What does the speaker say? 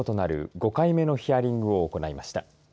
５回目のヒアリングを行いました。